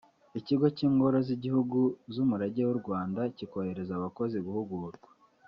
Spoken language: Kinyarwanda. Ikigo cy’Ingoro z’Igihugu z’Umurage w’u Rwanda kikohereza abakozi guhugurwa